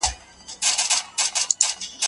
د دوی قضاوت تل جامد اړخ لري.